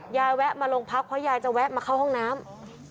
แวะมาโรงพักเพราะยายจะแวะมาเข้าห้องน้ำ